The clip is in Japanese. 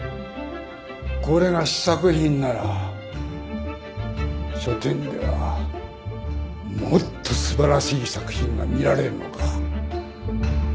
これが試作品なら書展ではもっと素晴らしい作品が見られるのか。